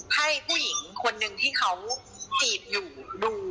ให้ผู้หญิงคนนึงที่เขาจีบอยู่ดู